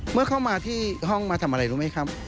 เมื่อเข้ามาที่ห้องมาทำอะไรรู้ไหมครับ